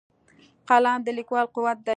قلم د لیکوال قوت دی